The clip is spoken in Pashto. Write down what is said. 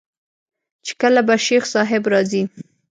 چې کله به شيخ صاحب راځي.